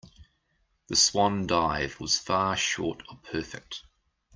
The swan dive was far short of perfect.